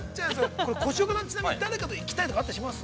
これ、越岡さん、誰かと行きたいとかあったりします？